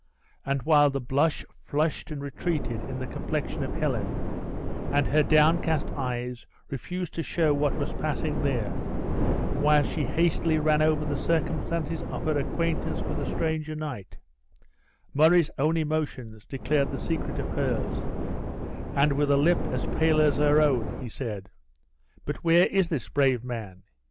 And while the blood flushed and retreated in the complexion of Helen, and her downcast eyes refused to show what was passing there, while she hastily ran over the circumstances of her acquaintance with the stranger knight, Murray's own emotions declared the secret of hers; and with a lip as pale as her own, he said, "But where is this brave man?